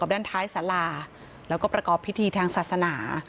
ด้านท้ายสาราแล้วก็ประกอบพิธีทางศาสนา